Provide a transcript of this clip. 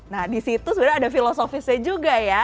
nah di situ sebenarnya ada filosofisnya juga ya